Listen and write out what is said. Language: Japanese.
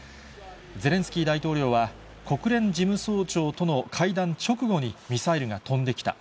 ゼレンスキー大統領は、国連事務総長との会談直後にミサイルが飛んできた。